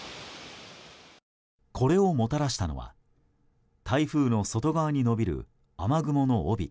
これをもたらしたのは台風の外側に延びる雨雲の帯。